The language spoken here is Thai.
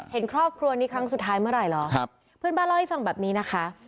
เห็นครอบครัวนี้ครั้งสุดท้ายเมื่อไหร่เหรอครับเพื่อนบ้านเล่าให้ฟังแบบนี้นะคะ